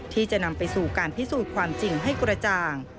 ที่จะนำไปสู่การพิสูจน์ความจริงให้กระจ่าง